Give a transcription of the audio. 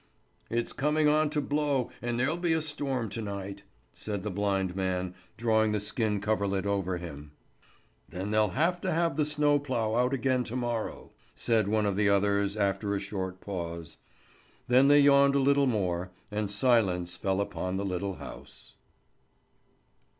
"It's coming on to blow and there'll be a storm to night," said the blind man, drawing the skin coverlet over him. "Then they'll have to have the snow plough out again to morrow," said one of the others, after a short pause. Then they yawned a little more, and silence fell upon the little house.